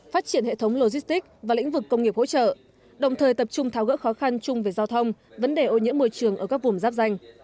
phát triển hệ thống logistic và lĩnh vực công nghiệp hỗ trợ đồng thời tập trung tháo gỡ khó khăn chung về giao thông vấn đề ô nhiễm môi trường ở các vùng giáp danh